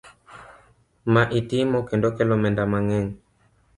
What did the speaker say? Ma itimo kendo kelo omenda mang'eny.